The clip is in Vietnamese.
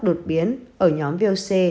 đột biến ở nhóm voc